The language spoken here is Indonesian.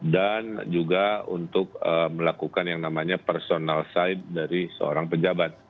dan juga untuk melakukan yang namanya personal side dari seorang pejabat